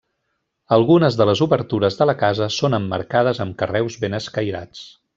Algunes de les obertures de la casa són emmarcades amb carreus ben escairats.